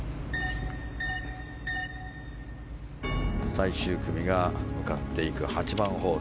最終組が向かっていく８番ホール。